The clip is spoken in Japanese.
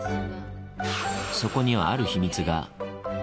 そこにはある秘密が。